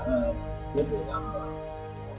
đã quyết định làm được